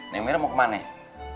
neng mira mau kemana ya